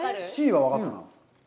Ｃは分かったな。